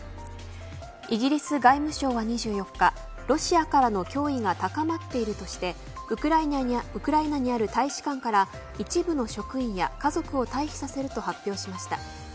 イギリス外務省は２４日ロシアからの脅威が高まっているとしてウクライナにある大使館から一部の職員や家族を退避させると発表しました。